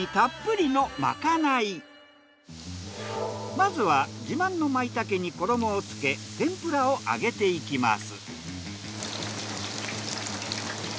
まずは自慢のまいたけに衣をつけ天ぷらを揚げていきます。